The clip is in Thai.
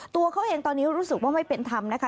ตัวเขาเองตอนนี้รู้สึกว่าไม่เป็นธรรมนะคะ